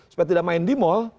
supaya tidak main di mall